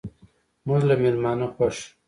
موږ له میلمانه خوښ یو.